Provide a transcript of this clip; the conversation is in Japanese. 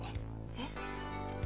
えっ？